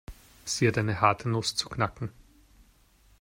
Sie hat eine harte Nuss zu knacken.